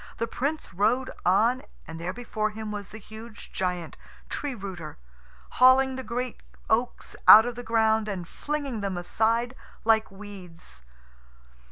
The Prince rode on, and there before him was the huge giant, Tree rooter, hauling the great oaks out of the ground and flinging them aside like weeds.